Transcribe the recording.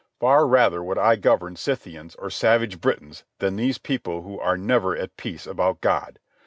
Far rather would I govern Scythians or savage Britons than these people who are never at peace about God.